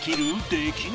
できない？